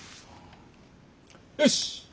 よし！